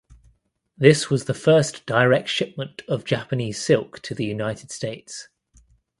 This was the first direct shipment of Japanese silk to the United States.